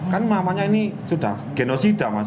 kan namanya ini sudah genosida mas